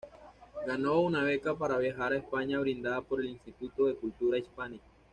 Ganó una beca para viajar a España brindada por el Instituto de Cultura Hispánica.